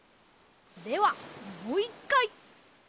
ではもういっかい。